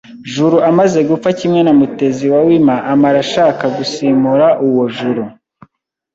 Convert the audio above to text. Juru amaze gupfa kimwe na Mutezi na wima amara ashaka gusimura uwo Juru